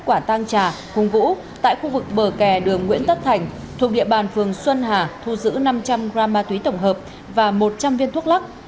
quảng tăng trà cùng vũ tại khu vực bờ kè đường nguyễn tất thành thuộc địa bàn phường xuân hà thu giữ năm trăm linh g ma túy tổng hợp và một trăm linh viên thuốc lắc